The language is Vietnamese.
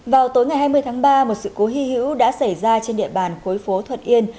vào tối ngày hai mươi tháng ba một sự cố hy hữu đã xảy ra trên địa bàn khối phố thuận yên